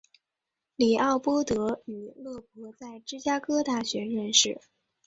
李奥波德与勒伯在芝加哥大学认识。